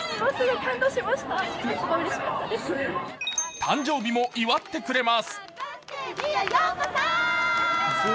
誕生日も祝ってくれます。